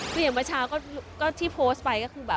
คืออย่างประเทศก็ที่โพสต์ไปคือ